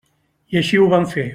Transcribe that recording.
I així ho van fer.